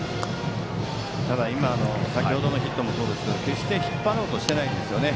先程のヒットもそうですが決して引っ張ろうとはしていないんですね。